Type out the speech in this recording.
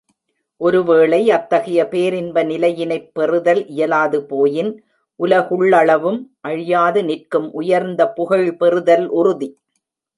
ஒருவேளை அத்தகைய பேரின்ப நிலையினைப் பெறுதல் இயலாது போயின், உலகுள்ளளவும் அழியாது நிற்கும் உயர்ந்த புகழ் பெறுதல் உறுதி.